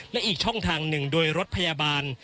และอีกช่องทางหนึ่งโดยรถพยาบาล